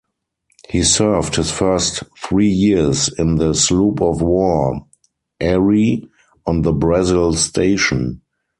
He served his first three years in the sloop-of-war "Erie" on the Brazil Station.